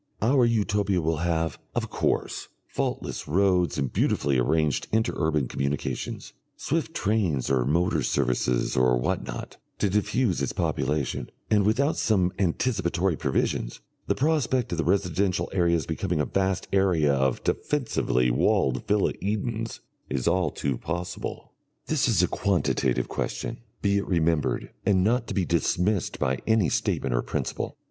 Our Utopia will have, of course, faultless roads and beautifully arranged inter urban communications, swift trains or motor services or what not, to diffuse its population, and without some anticipatory provisions, the prospect of the residential areas becoming a vast area of defensively walled villa Edens is all too possible. This is a quantitative question, be it remembered, and not to be dismissed by any statement of principle.